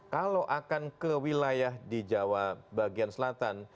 kalau akan ke wilayah di jawa bagian selatan